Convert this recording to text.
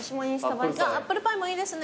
アップルパイもいいですね。